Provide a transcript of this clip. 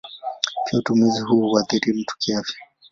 Pia utumizi huu huathiri mtu kiafya.